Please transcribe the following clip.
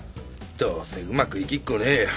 どうせうまくいきっこねえよ。